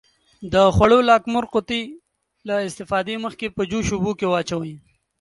د خوړو لاکمُر قوطي له استفادې مخکې په جوش اوبو کې واچوئ.